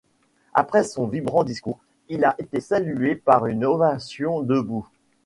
Après son vibrant discours, il a été salué par une ovation debout.